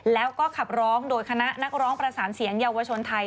แล้วก็ขับร้องโดยคณะนักร้องประสานเสียงเยาวชนไทย